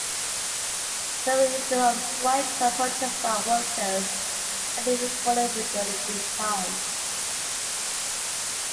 Several incidents of strikes and protests by workers have been recorded during this time.